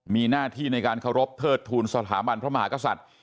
มีหน้าที่ในการเคารพเทิดทูลสถาบันพระมหากษัตริย์